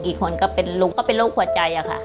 อีกคนก็เป็นลุงก็เป็นโรคหัวใจอะค่ะ